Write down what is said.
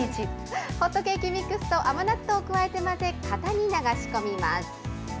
ホットケーキミックスと甘納豆を加えて混ぜ、型に流し込みます。